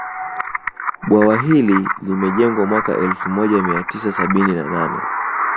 Bwawa hili lilijengwa mwaka elfu moja mia tisa sabini na nne